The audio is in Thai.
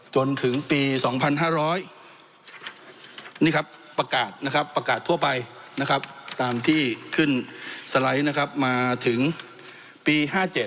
จนถึงปี๒๕๐๐ประกาศทั่วไปตามที่ขึ้นสไลด์มาถึงปี๕๗